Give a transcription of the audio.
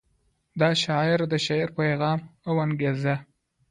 د شاعر د شعر پیغام او انګیزه